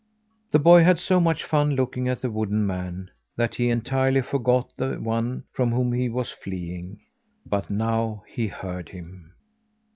The boy had so much fun looking at the wooden man, that he entirely forgot the one from whom he was fleeing. But now he heard him.